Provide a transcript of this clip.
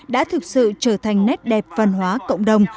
đã thực sự trở thành nét đẹp văn hóa cộng đồng